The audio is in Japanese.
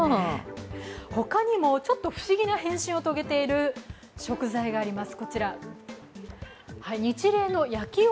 他にも不思議な変身を遂げている食材があります。